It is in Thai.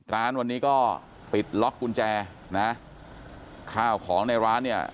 ร้านวันนี้ก็ปิดล็อกกุญแจนะข้าวของในร้านเนี่ย